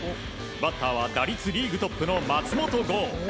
バッターは打率リーグトップの松本剛。